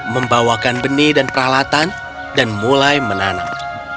membawakan benih dan peralatan dan mulai menanam